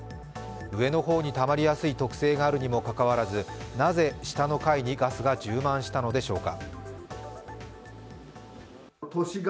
上の方にたまりやすい特性があるにもかかわらず、なぜ下の階にガスが充満したのでしょうか。